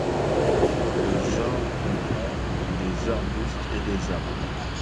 Le genre comprend des arbustes et des arbres.